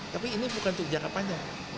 tapi ini bukan untuk jangka panjang